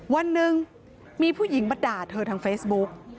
วันหนึ่งมีผู้หญิงมาด่าเธอทางเฟซบุ๊ก